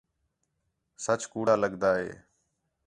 سَچ کَوڑا لڳدا ہِے